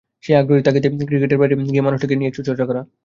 সেই আগ্রহের তাগিদেই ক্রিকেটের বাইরে গিয়ে মানুষটাকে নিয়ে একটু চর্চা করা।